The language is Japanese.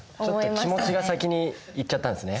ちょっと気持ちが先に行っちゃったんですね。